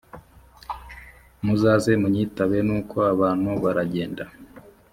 muzaze munyitabe nuko abantu baragenda